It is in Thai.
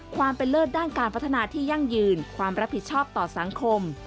ความเป็นเลิศด้านการพัฒนาที่ยั่งยืนความรับผิดชอบต่อสังคม